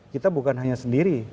kita bukan hanya sendiri